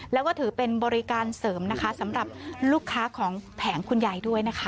แล้วถือเป็นบริการเสริมสำหรับลูกค้าของแผงคุณใหญ่ด้วย